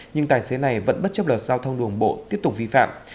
nhưng tài xế này vẫn bất chấp luật giao thông đường bộ tiếp tục vi phạm